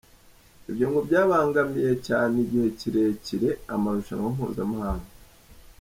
Ibyo ngo byabangamiye cyane igihe kirekire amarushanwa mpuzamahanga.